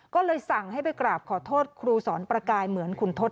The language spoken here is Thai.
ก็เลยสั่งให้ไปกราบขอโทษครูสอนประกายเหมือนขุนทศ